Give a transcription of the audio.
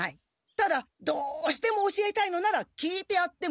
ただどうしても教えたいのなら聞いてやってもいい。